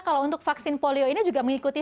kalau untuk vaksin polio ini juga mengikuti